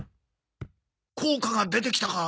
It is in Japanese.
効果が出てきたか？